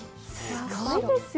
すごいですよ。